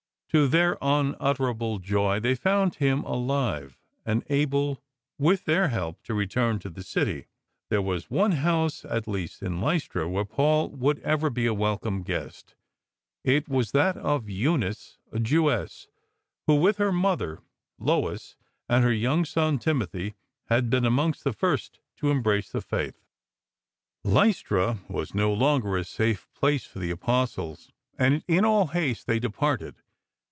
To their unutter able joy they found him alive, and able with their help to return to the city. There was one house at least in Lystra where Paul would ever be a welcome guest. It was that of Eunice, a Jewess, who, with her mother Lois and her young son Timothy had been amongst the first to embrace the faith. Lystra was no longer a safe place for the Apostles, and in all haste they departed.